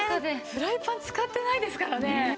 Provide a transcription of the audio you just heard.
フライパン使ってないですからね。